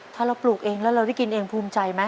ถ้าเราปลูกเองแล้วเราได้กินเองภูมิใจไหม